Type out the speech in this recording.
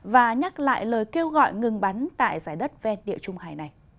và nhắc lại lời kêu gọi ngừng bắn tại giải đất ven địa trung hải này